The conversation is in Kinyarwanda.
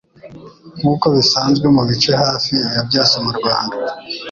nk'uko bisanzwe mu bice hafi ya byose mu Rwanda